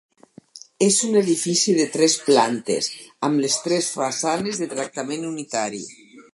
És un edifici de tres plantes, amb les tres façanes de tractament unitari.